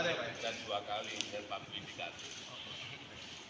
dan dua kali dan pamping dikati